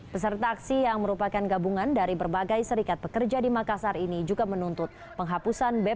peserta aksi yang merupakan gabungan dari berbagai serikat pekerja di makassar ini juga menuntut penghapusan bpj